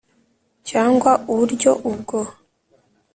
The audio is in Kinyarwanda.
Cyangwa uburyo ubwo